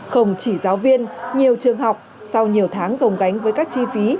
không chỉ giáo viên nhiều trường học sau nhiều tháng gồng gánh với các chi phí